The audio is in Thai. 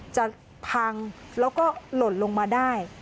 จะพังแล้วก็หล่นลงมาได้